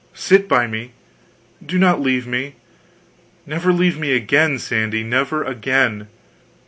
Sit by me do not leave me never leave me again, Sandy, never again.